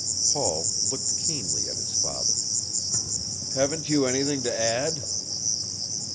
Paul looked keenly at his father. "Haven't you anything to add?"